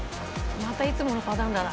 またいつものパターンだな。